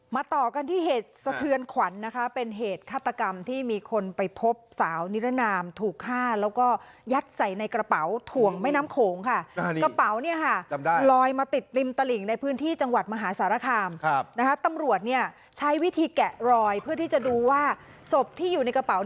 มาต่อกันที่เหตุสะเทือนขวัญเป็นเหตุฆ่ตกรรมที่มีคนไปพบสาวนิระนามถูกฆ่าแล้วก็ยัดใส่ในกระเป๋า